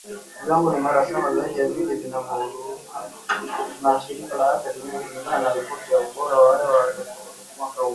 Viwango ni mara saba zaidi ya vile vinavyoruhusiwa na shirika la afya duniani , kulingana na ripoti ya ubora wa hewa iliyotolewa mwaka uliopita